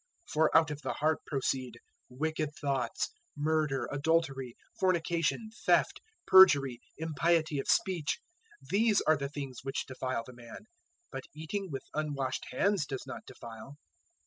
015:019 For out of the heart proceed wicked thoughts, murder, adultery, fornication, theft, perjury, impiety of speech. 015:020 These are the things which defile the man; but eating with unwashed hands does not defile."